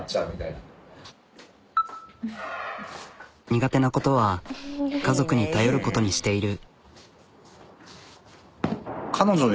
苦手なことは家族に頼ることにしている。